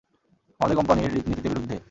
আমাদের কোম্পানির নীতিতে বিরুদ্ধে।